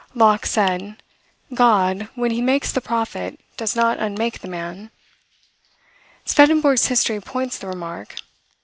Locke said, "God, when he makes the prophet, does not unmake the man." Swedenborg's history points the remark.